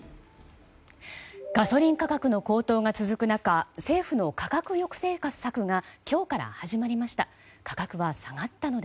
ガソリン価格の高騰が続く中政府の価格抑制策が今日から始まりました。